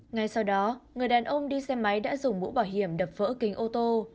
ngay sau đó người đàn ông đi xe máy đã dùng mũ bảo hiểm đập vỡ kính ô tô